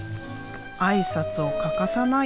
挨拶を欠かさない。